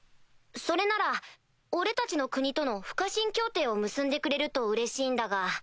それなら俺たちの国との不可侵協定を結んでくれるとうれしいんだが。